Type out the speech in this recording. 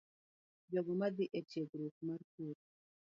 Jogo madhi e tiegruok mar pur,